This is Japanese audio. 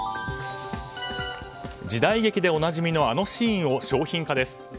時代劇でおなじみのあのシーンを商品化です。